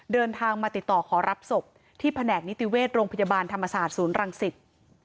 เดินทางมาติดต่อขอรับศพที่แผนกนิติเวชโรงพยาบาลธรรมศาสตร์ศูนย์รังสิต